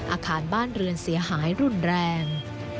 อาคารบ้านเรือนเสียหายรุนแรง